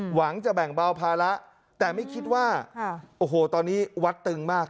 หวังจะแบ่งเบาภาระแต่ไม่คิดว่าโอ้โหตอนนี้วัดตึงมาก